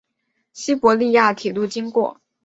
西伯利亚铁路经过。